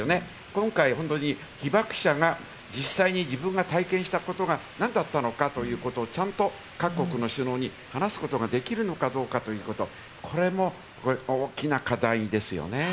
今回本当に被爆者が実際に自分が体験したことが何だったのかということをちゃんと各国の首脳に話すことができるのかどうかということ、これも大きな課題ですね。